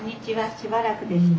しばらくでした。